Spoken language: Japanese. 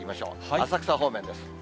浅草方面です。